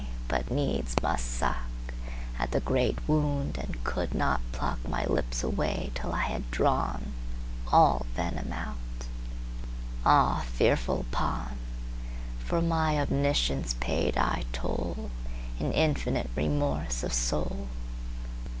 But needs must suckAt the great wound, and could not pluckMy lips away till I had drawnAll venom out.—Ah, fearful pawn! For my omniscience paid I tollIn infinite remorse of soul.